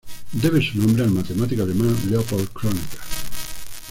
Debe su nombre al matemático alemán Leopold Kronecker.